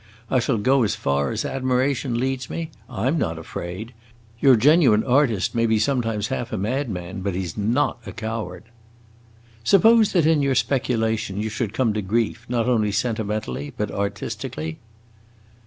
I shall go as far as admiration leads me. I am not afraid. Your genuine artist may be sometimes half a madman, but he 's not a coward!" "Suppose that in your speculation you should come to grief, not only sentimentally but artistically?"